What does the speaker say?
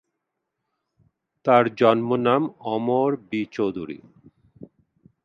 তার জন্মনাম অমর বি চৌধুরী।